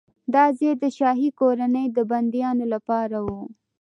دا ځای د شاهي کورنۍ د بندیانو لپاره و.